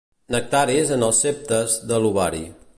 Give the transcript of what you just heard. Nectaris en els septes de l'ovari.